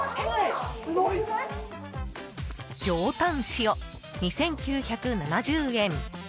上タン塩、２９７０円。